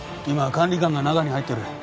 今管理官が中に入ってる。